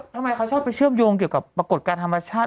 ทำไมเขาชอบไปเชื่อมโยงเกี่ยวกับปรากฏการณ์ธรรมชาติ